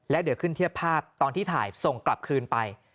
แล้วเดี๋ยวขึ้นเทียบภาพตอนที่ถ่ายส่งกลับคืนไป